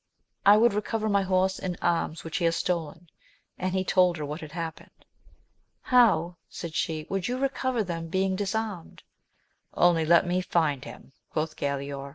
I would recover my horse and arms which he has stolen ; and he told her what had happened. How, said she, would you recover them being dis armed ? Only let me find him ! quoth Galaor.